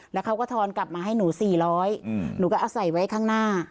แล้วเขาก็ทอนกลับมาให้หนู๔๐๐หนูก็เอาใส่ไว้ข้างหน้า